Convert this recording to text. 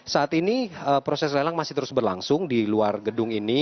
saat ini proses lelang masih terus berlangsung di luar gedung ini